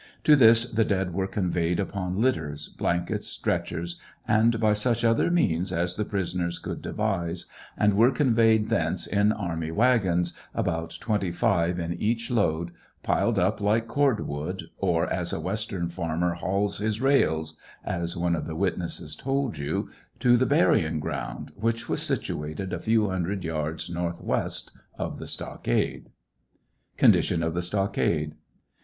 To this the dead were conveyed upon litters, blankets, stretchers, and by such other means as the prisoners could devise, and were conveyed thence in army wagons, about 25 in each load, piled up like cord wood or •' as a western farmer hauls his rails," as one of the witnesses told you, to the burying ground, which was situated a few hundred yards northwest of the stockade. CONDITION OF THE STOCKADE.